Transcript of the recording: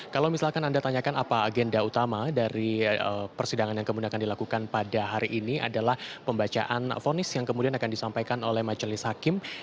kalau misalkan anda tanyakan apa agenda utama dari persidangan yang kemudian akan dilakukan pada hari ini adalah pembacaan fonis yang kemudian akan disampaikan oleh majelis hakim